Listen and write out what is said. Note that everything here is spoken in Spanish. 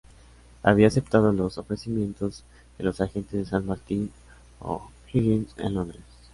Había aceptado los ofrecimientos de los agentes de San Martín y O'Higgins en Londres.